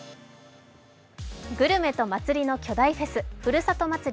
グルメと祭りの巨大フェス、ふるさと祭り